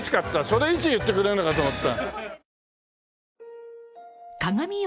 それいつ言ってくれるのかと思った。